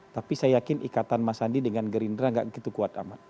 tapi saya yakin ikatan mas andi dengan gerindra nggak begitu kuat amat